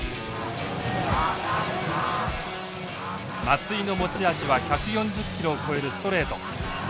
松井の持ち味は１４０キロを超えるストレート。